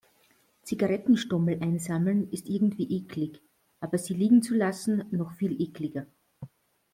Zigarettenstummel einsammeln ist irgendwie eklig, aber sie liegen zu lassen, noch viel ekliger.